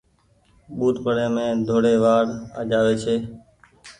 ٻوڏپڙي مين ڌوڙي وآڙ آجآوي ڇي۔